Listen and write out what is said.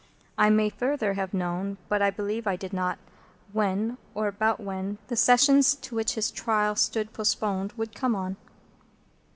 I may further have known, but I believe I did not, when, or about when, the Sessions to which his trial stood postponed would come on.